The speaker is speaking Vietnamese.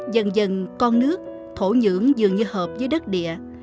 dần dần con nước thổ nhưỡng dường như hợp với đất địa